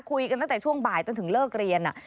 คุยกันตั้งแต่ช่วงบ่ายจนถึงเลิกเรียน